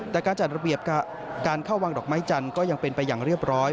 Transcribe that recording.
แต่การจัดระเบียบการเข้าวางดอกไม้จันทร์ก็ยังเป็นไปอย่างเรียบร้อย